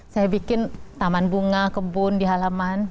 saya bikin taman bunga kebun di halaman